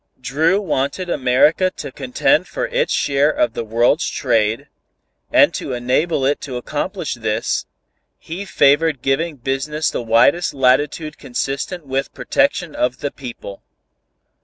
Dru wanted America to contend for its share of the world's trade, and to enable it to accomplish this, he favored giving business the widest latitude consistent with protection of the people.